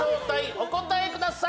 お答えください